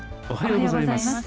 おはようございます。